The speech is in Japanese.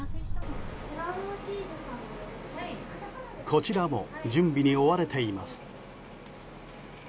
こちらも準備に追われています。